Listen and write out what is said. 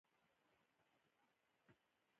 حتی که خط نه وای، دا به ژوندي پاتې وو.